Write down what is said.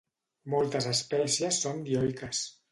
Moltes espècies són dioiques.